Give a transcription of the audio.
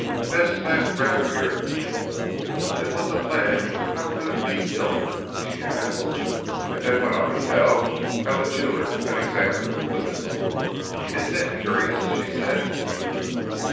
Bess laughed rather irritably. "If it was of lead how could it be silver?" she asked and then went on to tell how the jeweller had examined the missile. "Isn't it curious?" she said.